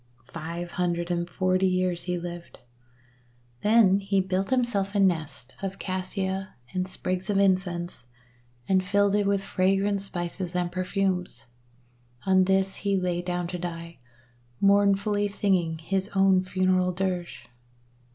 Five hundred and forty years he lived, then he built himself a nest of Cassia and sprigs of Incense, and filled it with fragrant spices and perfumes. On these he lay down to die, mourn fully singing his own funeral dirge.